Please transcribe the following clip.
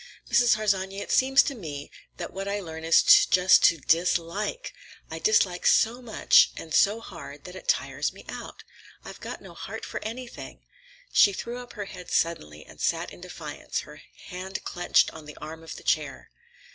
"Mrs. Harsanyi, it seems to me that what I learn is just to dislike. I dislike so much and so hard that it tires me out. I've got no heart for anything." She threw up her head suddenly and sat in defiance, her hand clenched on the arm of the chair.